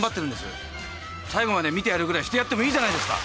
最後まで見てやるぐらいしてやってもいいじゃないですか。